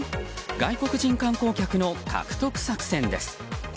外国人観光客の獲得作戦です。